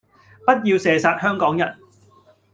不要射殺香港人